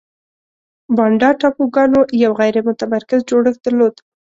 بانډا ټاپوګانو یو غیر متمرکز جوړښت درلود.